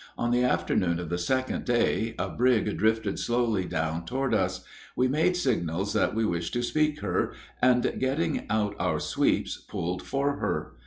On the afternoon of the second day a brig drifted slowly down toward us; we made signals that we wished to speak her, and, getting out our sweeps, pulled for her.